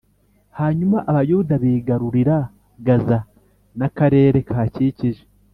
hanyuma abayuda bigarurira gaza n’akarere kahakikije,